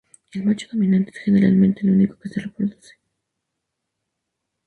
El macho dominante es generalmente el único que se reproduce.